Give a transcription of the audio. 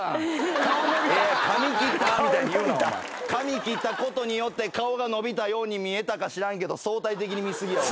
髪切ったことによって顔が伸びたように見えたか知らんけど相対的に見過ぎやお前。